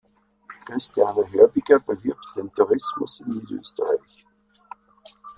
Christiane Hörbiger bewirbt den Tourismus in Niederösterreich.